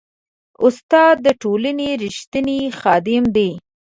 استاد د ټولنې ریښتینی خادم دی.